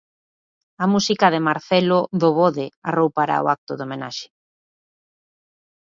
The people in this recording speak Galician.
A música de Marcelo Dobode arroupará o acto de homenaxe.